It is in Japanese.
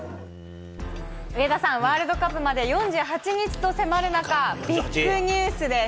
上田さん、ワールドカップまで４８日と迫る中、ビッグニュースです。